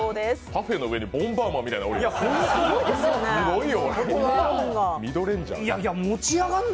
パフェの上にボンバーマンみたいのがある。